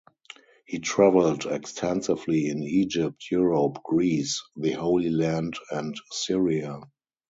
He traveled extensively in Egypt, Europe, Greece, the Holy Land, and Syria.